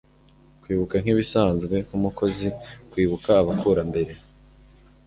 kwibuka nkibisanzwe nkumukozi.kwibuka abakurambere